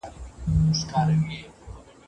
دا هغه کتاب دی چي ما تير کال لوستی و.